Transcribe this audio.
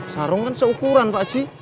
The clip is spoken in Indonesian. sarung kan seukuran pakcik